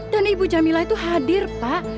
dan ibu jamilah itu hadir pak